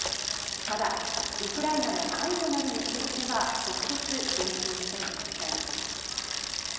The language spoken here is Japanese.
ただ、ウクライナの関与などについては直接言及していません。